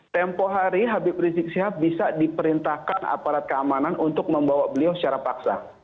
tempoh hari habib rizik sihab bisa diperintahkan aparat keamanan untuk membawa beliau secara paksa